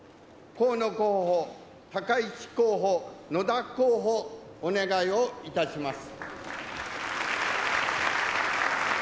河野候補、高市候補野田候補、お願いをいたします。